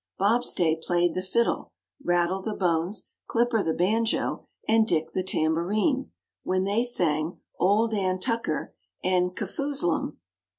Bobstay played the Fiddle, Rattle the Bones, Clipper the Banjo, and Dick the Tambourine, when they sang "Old Dan Tucker," and "Kafoozlum."